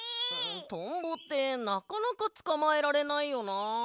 トンボってなかなかつかまえられないよな。